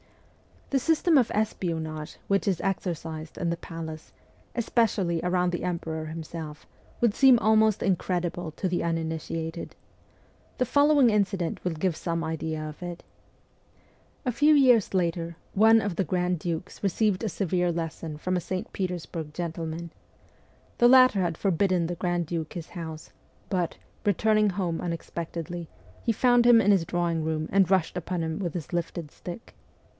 The system of espionage which is exercised in the palace, especially around the emperor himself, would seem almost incredible to the uninitiated. The follow ing incident will give some idea of it. A few years later, one of the grand dukes received a severe lesson from a St. Petersburg gentleman. The latter had for bidden the grand duke his house, but, returning home unexpectedly, he found him in his drawing room and rushed upon him with his lifted stick.